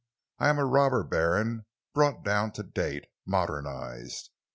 I am a robber baron brought down to date—modernized.